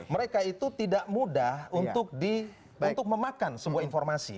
mereka itu tidak mudah untuk memakan sebuah informasi